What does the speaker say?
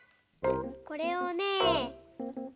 これをね